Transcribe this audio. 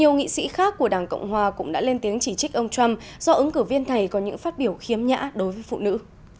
nhiều nghị sĩ khác của đảng cộng hòa cũng đã lên tiếng chỉ trích ông trump do ứng cử viên thầy có những phát biểu khiếm nhã đối với phụ nữ